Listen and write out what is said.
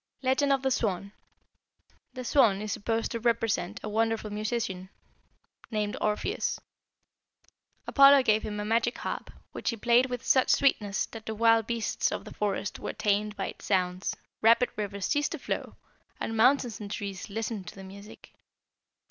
LEGEND OF THE SWAN. "The 'Swan' is supposed to represent a wonderful musician named Orpheus. Apollo gave him a magic harp, which he played with such sweetness that the wild beasts of the forest were tamed by its sounds, rapid rivers ceased to flow, and mountains and trees listened to the music.